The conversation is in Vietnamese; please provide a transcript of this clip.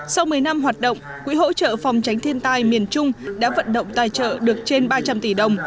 sau một mươi năm hoạt động quỹ hỗ trợ phòng tránh thiên tai miền trung đã vận động tài trợ được trên ba trăm linh tỷ đồng